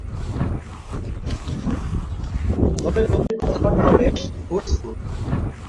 তবে লোকটির কথাবার্তা বেশ ফোর্সফুল।